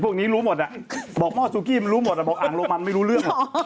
พวกนี้รู้หมดอ่ะบอกหม้อซูกี้มันรู้หมดบอกอ่างโรมันไม่รู้เรื่อง